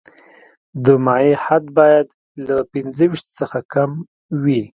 د مایع حد باید له پنځه ویشت څخه کم وي